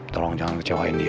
tolong jangan kecewain dia